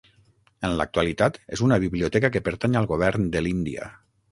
En l'actualitat és una biblioteca que pertany al govern de l'Índia.